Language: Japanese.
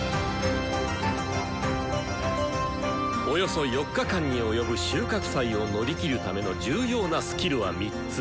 およそ４日間に及ぶ収穫祭を乗り切るための重要なスキルは３つ。